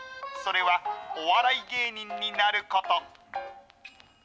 それは、お笑い芸人になること。